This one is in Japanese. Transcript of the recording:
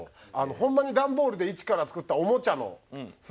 ホンマに段ボールで一から作ったおもちゃのスロット台。